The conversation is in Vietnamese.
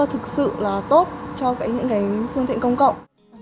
thực sự là tốt cho những cái phương tiện công cộng